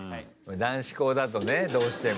男子校だとね、どうしても。